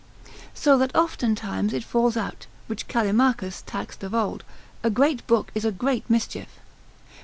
So that oftentimes it falls out (which Callimachus taxed of old) a great book is a great mischief.